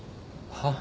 はっ？